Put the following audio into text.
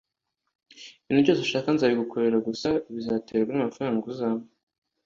Ibintu byose ushaka nzabigukorera gusa bizaterwa n’amafaranga uzampa.